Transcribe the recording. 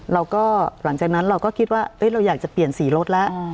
หลังจากนั้นเราก็คิดว่าเราอยากจะเปลี่ยนสีรถแล้ว